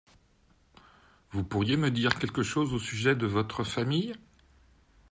Vous pourriez me dire quelque chose au sujet de votre famille ?